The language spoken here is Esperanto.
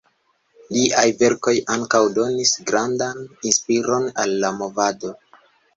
Liaj verkoj ankaŭ donis grandan inspiron al la movado.